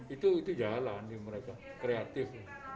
itu jalan mereka kreatif